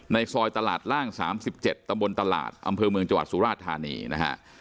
ในซอยตลาดล่าง๓๗ตำบลตลาดอำเภอเมืองจังหวัดสุราชธานีนะฮะ